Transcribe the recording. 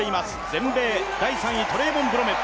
全米３位、トレイボン・ブロメル。